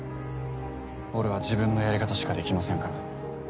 俺は自分のやり方しかできませんから。